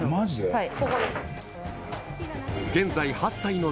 はい。